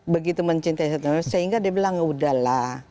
begitu mencintai setia novanto sehingga dia bilang ya udahlah